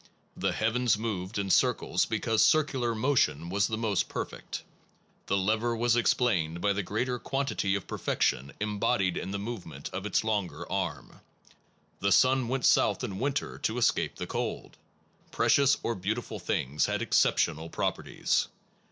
The heavens moved in circles because circular motion was the most perfect. The lever was explained by the greater quantity of perfection embodied in the move ment of its longer arm. 1 The sun went south in winter to escape the cold. Precious or beautiful things had exceptional properties.